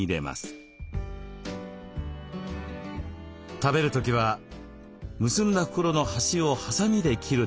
食べる時は結んだ袋の端をはさみで切るだけです。